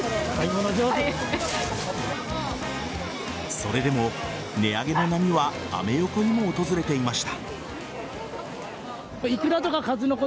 それでも、値上げの波はアメ横にも訪れていました。